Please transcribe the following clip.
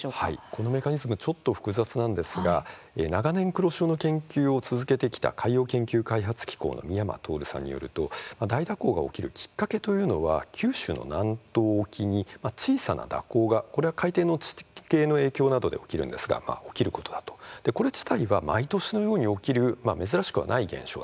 このメカニズムちょっと複雑なんですが長年、黒潮の研究を続けてきた海洋研究開発機構の美山透さんによると大蛇行が起きるきっかけというのは九州の南東沖に小さな蛇行がこれは海底の地形の影響などで起きるんですが、起きることだと。これ自体は毎年のように起きる珍しくはない現象なんだそうです。